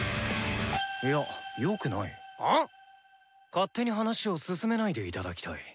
勝手に話を進めないで頂きたい。